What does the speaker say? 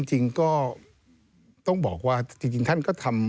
จริงก็ต้องบอกว่าจริงท่านก็ทำ